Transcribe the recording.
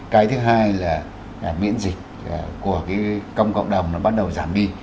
cái thứ hai là miễn dịch của công cộng đồng bắt đầu giảm đi